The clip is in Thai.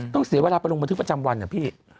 เสียเวลาไปลงบันทึกประจำวันนะพี่